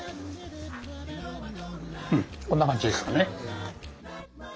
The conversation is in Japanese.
うんこんな感じですかね。